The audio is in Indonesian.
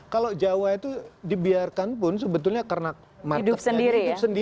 kalau jawa itu dibiarkan pun sebetulnya karena marketnya ditutup sendiri